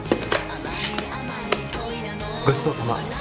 ごちそうさま。